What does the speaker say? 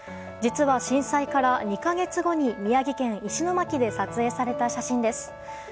実は震災から２か月後に宮城県石巻で撮影された写真です。